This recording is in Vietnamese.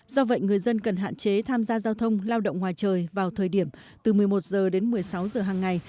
do vậy người dân cần hạn chế tham gia giao thông lao động ngoài trời vào thời điểm từ một mươi một h đến một mươi sáu giờ hằng ngày